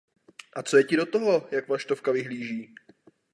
A co je ti do toho, jak vlašťovka vyhlíží?